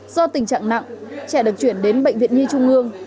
do tình trạng nặng trẻ được chuyển đến bệnh viện nhi trung ương